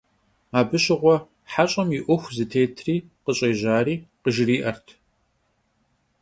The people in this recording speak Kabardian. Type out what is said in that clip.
Abı şığue heş'em yi 'uexu zıtêtri, khış'êjari khıjjri'ert.